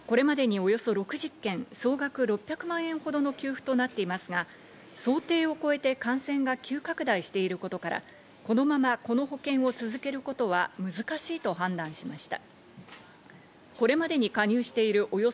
およそ６００万円ほどの給付となっていますが、想定を超えて感染が急拡大していることから、このままこの保険を続けることは難しいと判断しました。